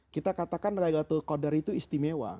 kita katakan laylatul qadar itu istimewa